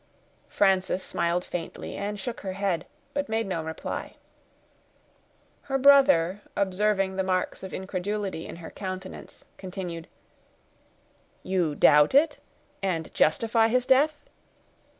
Frances smiled faintly, and shook her head, but made no reply. Her brother, observing the marks of incredulity in her countenance, continued, "You doubt it, and justify his death?"